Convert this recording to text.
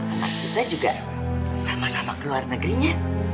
anak kita juga sama sama ke luar negerinya